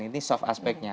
ini soft aspeknya